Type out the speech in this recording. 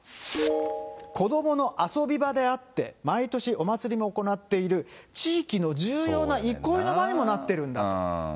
子どもの遊び場であって、毎年お祭りも行っている、地域の重要な憩いの場にもなっているんだと。